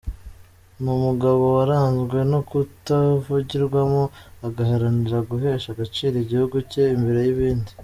Ni umugabo waranzwe no kutavugirwamo, agaharanira guhesha agaciro igihugu cye imbere y’ibindi.